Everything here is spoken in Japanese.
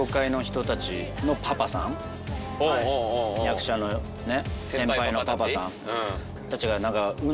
役者のね。